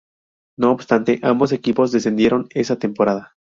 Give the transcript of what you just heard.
No obstante, ambos equipos descendieron esa temporada.